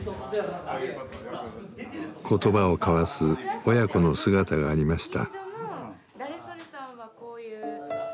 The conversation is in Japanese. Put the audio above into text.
言葉を交わす親子の姿がありました。